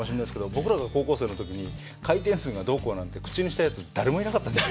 僕らが高校生の時に回転数がどうこうなんて口にしたやつ誰もいなかったですよ。